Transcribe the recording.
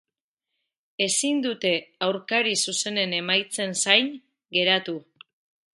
Ezin dute aurkari zuzenen emaitzen zain geratu.